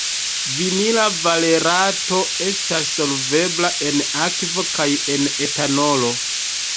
Vinila valerato estas solvebla en akvo kaj en etanolo.